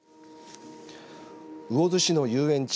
魚津市の遊園地